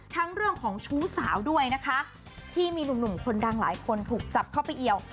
เรื่องของชู้สาวด้วยนะคะที่มีหนุ่มคนดังหลายคนถูกจับเข้าไปเอียว